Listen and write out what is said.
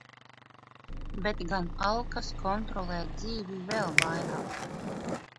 Bet gan alkas kontrolēt dzīvi vēl vairāk.